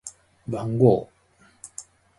番号